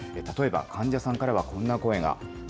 例えば、患者さんからはこんな声が。